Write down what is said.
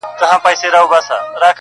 • چي په سترګه یې له لیري سوله پلنډه -